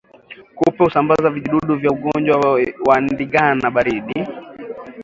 Kupe husamabaza vijidudu vya ugonjwa wa ndigana baridi